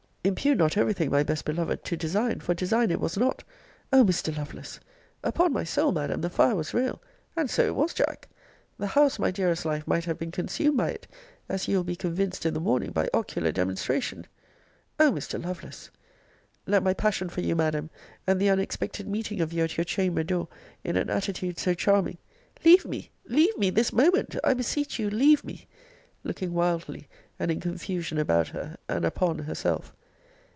Impute not every thing, my best beloved, to design, for design it was not O Mr. Lovelace! Upon my soul, Madam, the fire was real [and so it was, Jack!] The house, my dearest life, might have been consumed by it, as you will be convinced in the morning by ocular demonstration. O Mr. Lovelace! Let my passion for you, Madam, and the unexpected meeting of you at your chamber door, in an attitude so charming Leave me, leave me, this moment! I beseech you leave me; looking wildly and in confusion about her, and upon herself.